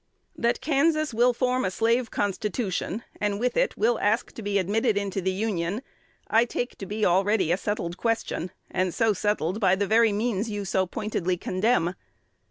That Kansas will form a slave constitution, and with it will ask to be admitted into the Union, I take to be already a settled question, and so settled by the very means you so pointedly condemn.